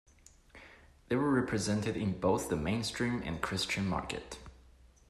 They were represented in both the mainstream and Christian market.